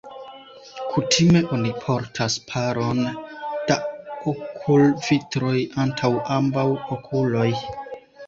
Kutime oni portas paron da okulvitroj antaŭ ambaŭ okuloj.